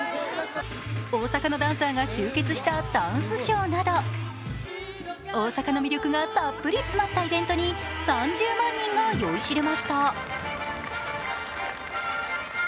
大阪のダンサーが集結したダンスショーなど大阪の魅力がたっぷり詰まったイベントに３０万人が酔いしれました。